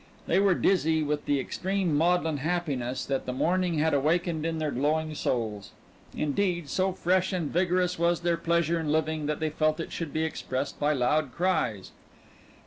They were dizzy with the extreme maudlin happiness that the morning had awakened in their glowing souls. Indeed, so fresh and vigorous was their pleasure in living that they felt it should be expressed by loud cries.